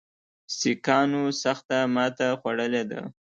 سیکهانو سخته ماته خوړلې ده.